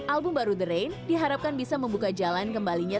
album baru the rain diharapkan bisa membuka jalan kembalinya